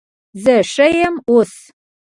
زه ښه یم اوس